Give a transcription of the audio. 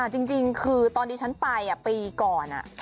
จริงคือตอนที่ฉันไปปีก่อน